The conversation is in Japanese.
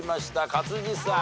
勝地さん。